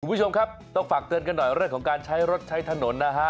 คุณผู้ชมครับต้องฝากเตือนกันหน่อยเรื่องของการใช้รถใช้ถนนนะฮะ